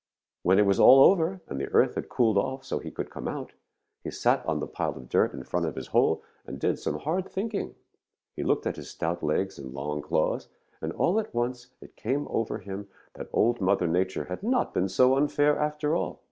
"When it was all over and the earth had cooled off so that he could come out, he sat on the pile of dirt in front of his hole and did some hard thinking. He looked at his stout legs and long claws, and all at once it came over him that Old Mother Nature had not been so unfair after all.